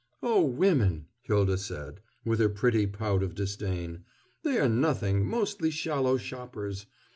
"Oh, women!" Hylda said, with her pretty pout of disdain, "they are nothing, mostly shallow shoppers.